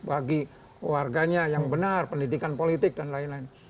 bagi warganya yang benar pendidikan politik dan lain lain